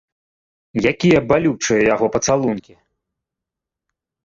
Якія балючыя яго пацалункі!